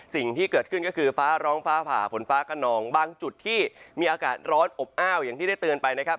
สิ่งที่เกิดขึ้นก็คือฟ้าร้องฟ้าผ่าฝนฟ้ากระนองบางจุดที่มีอากาศร้อนอบอ้าวอย่างที่ได้เตือนไปนะครับ